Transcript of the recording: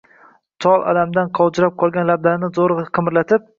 Chol alamdan qovjirab qolgan lablarini zo’rg’a qimirlatib